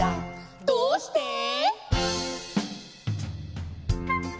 「どうして？」